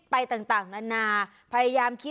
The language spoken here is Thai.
ต่างนานาพยายามคิด